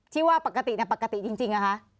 ที่ว่าปกติเนี่ยปกติจริงนะคะ